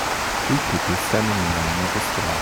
Three people standing in line at a store